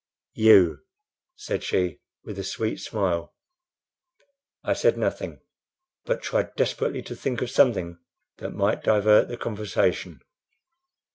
"You!" said she, with a sweet smile. I said nothing, but tried desperately to think of something that might divert the conversation.